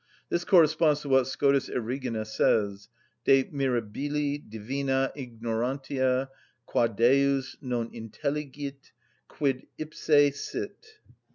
(This corresponds to what Scotus Erigena says, de mirabili divina ignorantia, qua Deus non intelligit quid ipse sit.